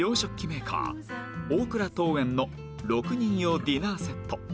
メーカー大倉陶園の６人用ディナーセット